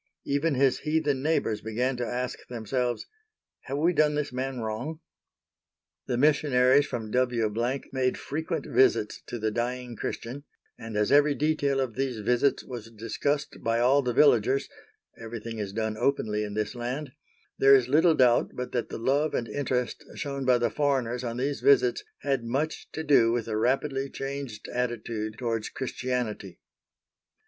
Even his heathen neighbors began to ask themselves, "Have we done this man wrong?" The missionaries from W—— made frequent visits to the dying Christian, and as every detail of these visits was discussed by all the villagers (everything is done openly in this land) there is little doubt but that the love and interest shown by the foreigners on these visits had much to do with the rapidly changed attitude towards Christianity.